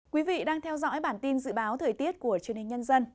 quý vị đang theo dõi bản tin dự báo thời tiết của truyền hình nhân dân